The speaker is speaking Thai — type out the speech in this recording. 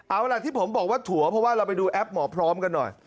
เอาล่ะที่ผมบอกว่าถั่วเพราะว่าเราไปดูแอปหมอพร้อมกันหน่อย